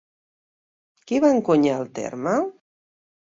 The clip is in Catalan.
Qui va encunyar el terme?